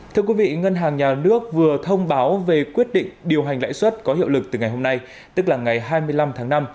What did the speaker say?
thưa quý vị ngân hàng nhà nước vừa thông báo về quyết định điều hành lãi suất có hiệu lực từ ngày hôm nay tức là ngày hai mươi năm tháng năm